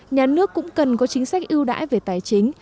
nhà nước cũng cần có chính sách ưu đãi về tài chính